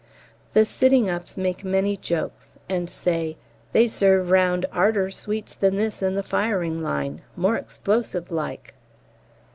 The sitting ups make many jokes, and say "they serve round 'arder sweets than this in the firing line more explosive like."